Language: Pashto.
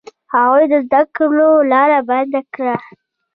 هغوی د زده کړو لاره بنده کړه.